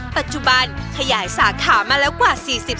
ปัจจุบันขยายสาขามาแล้วกว่า๔๐